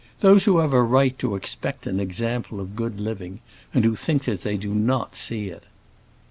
Those who have a right to expect an example of good living, and who think that they do not see it."